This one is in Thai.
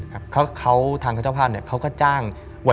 ทางเกษัตริย์ภาพเขาจะยอมสิว่า